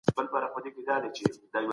که شتمنو مرسته کړې وای نو غریبي به نه وه.